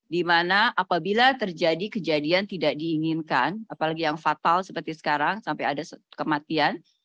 dimana apabila terjadi kejadian tidak diinginkan apalagi yang fatal seperti sekarang sampai ada kematian